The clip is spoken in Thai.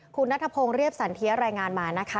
คุณนัทพงศ์เรียบสันเทียรายงานมานะคะ